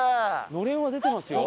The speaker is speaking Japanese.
のれんは出てますよ。